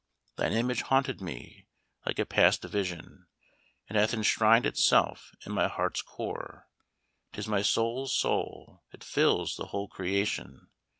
Thine image haunted me like a past vision; It hath enshrined itself in my heart's core; 'Tis my soul's soul it fills the whole creation.